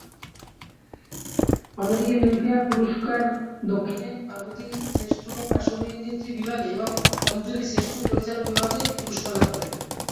অন্যদিকে ফিল্মফেয়ার পুরস্কার দক্ষিণে পার্বতী শ্রেষ্ঠ পার্শ্ব অভিনেত্রী বিভাগে এবং অঞ্জলি শ্রেষ্ঠ পরিচালক বিভাগে পুরস্কার লাভ করেন।